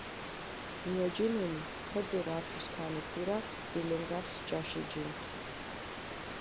მიოჯინჷნი, ქოძირჷ ართი სქვამი ცირა დილენგარს ჯაში ჯინს.